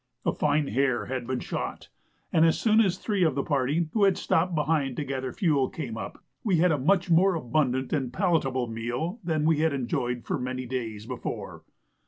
A fine hare had been shot, and as soon as three of the party, who had stopped behind to gather fuel, came up, we had a much more abundant and palatable meal than we had enjoyed for many days before.